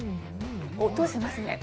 音しますね